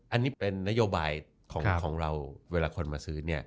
อันนี้เป็นนโยบายของเราเวลาคนมาซื้อ